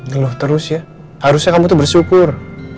geluh terus ya harusnya kamu tuh bersyukur